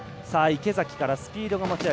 池崎からスピードが持ち味。